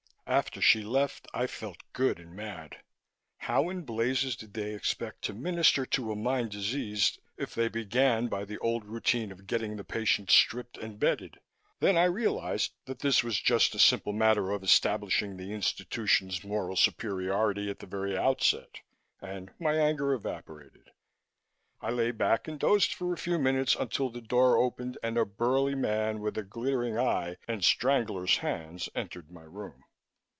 After she left, I felt good and mad. How in blazes did they expect to minister to a mind diseased, if they began by the old routine of getting the patient stripped and bedded? Then I realized that this was just a simple matter of establishing the institution's moral superiority, at the very outset, and my anger evaporated. I lay back and dozed for a few minutes until the door opened and a burly man, with a glittering eye and strangler's hands, entered my room.